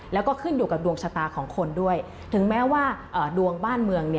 แล้วก็ขึ้นอยู่กับดวงชะตาของคนด้วยถึงแม้ว่าดวงบ้านเมือง